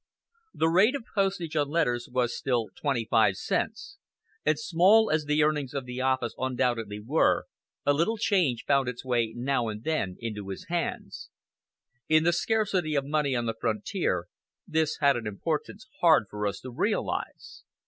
The rate of postage on letters was still twenty five cents, and small as the earnings of the office undoubtedly were, a little change found its way now and then into his hands. In the scarcity of money on the frontier, this had an importance hard for us to realize.